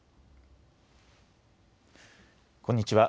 こんにちは。